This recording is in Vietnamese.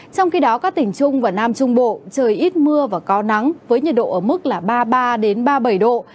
trong khi đó các tỉnh trung và nam trung bộ trời ít mưa và có nắng với nhiệt độ ở mức ba mươi ba ba mươi bảy độ